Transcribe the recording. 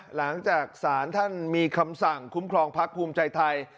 หลังจากศาลท่านมีคำสั่งคุ้มครองพักภูมิใจไทย